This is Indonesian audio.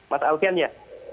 mas aogen ya